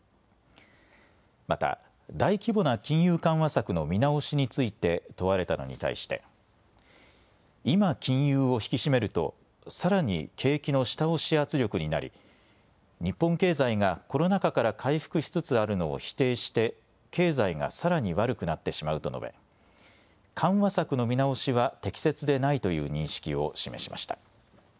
また大規模な金融緩和策の見直しについて問われたのに対して、今、金融を引き締めるとさらに景気の下押し圧力になり日本経済がコロナ禍から回復しつつあるのを否定して経済がさらに悪くなってしまうと述べ、緩和策の見直しは適切でないという認識を示しました。